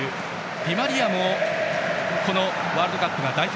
ディマリアもこのワールドカップが代表